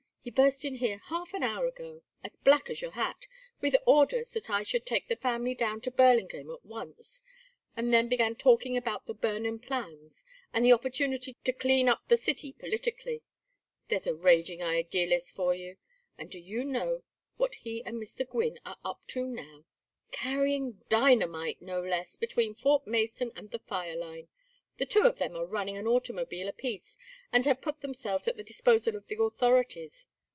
He burst in here half an hour ago as black as your hat with orders that I should take the family down to Burlingame at once, and then began talking about the Burnham plans, and the opportunity to clean up the city politically. There's a raging idealist for you. And do you know what he and Mr. Gwynne are up to now? Carrying dynamite, no less, between Fort Mason and the fire line. The two of them are running an automobile apiece and have put themselves at the disposal of the authorities.